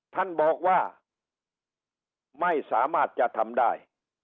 ท่านบอกว่าไม่สามารถจะทำได้